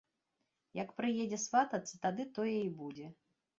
Як прыедзе сватацца, тады тое і будзе.